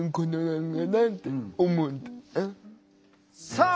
さあ